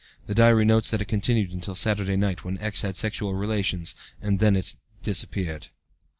(The diary notes that it continued until Saturday night, when X. had sexual relations, and that it then disappeared.)